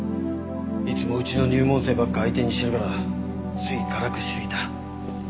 いつもうちの入門生ばっか相手にしてるからつい辛くしすぎた。